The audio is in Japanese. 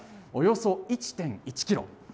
およそ１．１キロ。